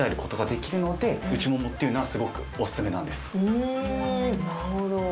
うんなるほど。